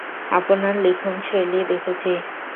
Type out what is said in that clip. আপনার লিখনশৈলি দেখেছি!